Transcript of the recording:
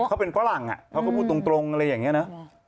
เขาเป็นฝรั่งเขาก็พูดตรงอะไรอย่างนี้นะ